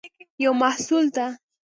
یو محصول ته